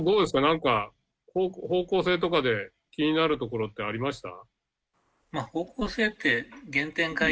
なんか方向性とかで気になるところってありました？